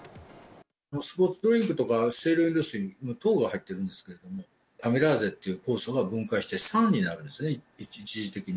スポーツドリンクとか、清涼飲料水には糖が入ってるんですけれども、アミラーゼという酵素が分解して酸になるんですね、一時的に。